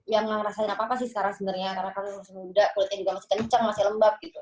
yang ngerasain apa apa sih sekarang sebenarnya karena kan masih muda kulitnya juga masih kencang masih lembab gitu